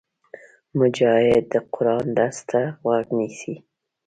مجاهد د قرآن درس ته غوږ نیسي.